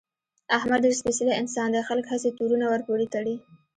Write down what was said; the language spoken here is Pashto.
احمد ډېر سپېڅلی انسان دی، خلک هسې تورونه ورپورې تړي.